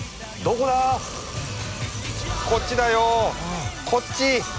こっちだよこっち！